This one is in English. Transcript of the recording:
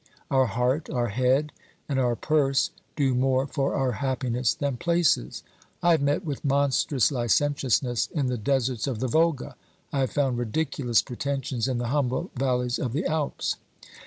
Our heart, our head and our purse do more for our happiness than places. I have met with monstrous licentiousness in the deserts of the Volga; I have found ridiculous pre tensions in the humble valleys of the Alps.